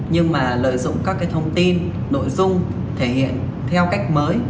nhưng mà lợi dụng các thông tin nội dung thể hiện theo cách mới